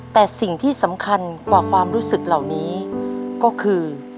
แต่สิ่งที่สำคัญกว่าความรู้สึกเหล่านี้ก็คือ